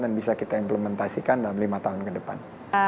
dan bisa kita implementasikan dalam lima tahun ke depan